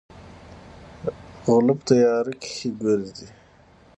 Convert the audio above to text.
غلۀ پۀ تيارۀ کښې ګرځي ـ